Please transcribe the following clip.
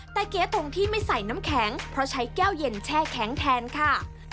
แต่เก๋ตรงที่ไม่ใส่น้ำแข็งเพราะใช้แก้วเย็นแช่แข็งแทนค่ะ